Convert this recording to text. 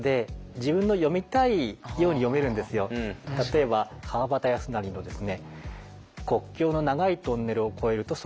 あとは例えば川端康成のですね